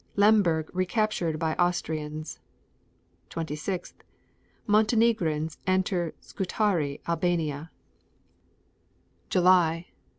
Lemberg recaptured by Austrians. 26. Montenegrins enter Scutari, Albania. July 9.